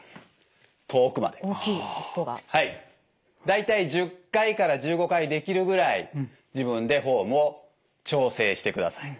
大体１０回から１５回できるぐらい自分でフォームを調整してください。